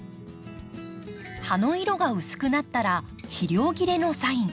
葉の色が薄くなったら肥料切れのサイン。